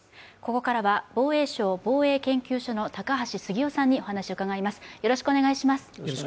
ここからは防衛省防衛研究所の高橋杉雄さんにお話を伺います。